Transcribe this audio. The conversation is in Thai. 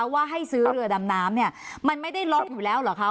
ว่าให้ซื้อเรือดำน้ำเนี่ยมันไม่ได้ล็อกอยู่แล้วเหรอคะ